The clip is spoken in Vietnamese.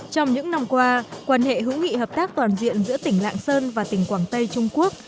trong những năm qua quan hệ hữu nghị hợp tác toàn diện giữa tỉnh lạng sơn và tỉnh quảng tây trung quốc